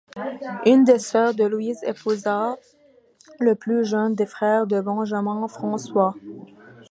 Une des sœurs de Louise épousa le plus jeune des frères de Benjamin François.